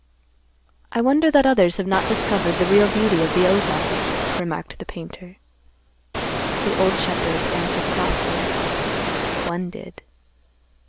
"I wonder that others have not discovered the real beauty of the Ozarks," remarked the painter. The old shepherd answered softly, "One did."